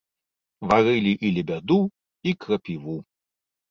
Варылі і лебяду, і крапіву.